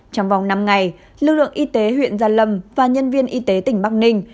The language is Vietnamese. trong vòng năm ngày lực lượng y tế huyện gia lâm và nhân viên y tế tỉnh bắc ninh